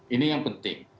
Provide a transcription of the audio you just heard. ini yang penting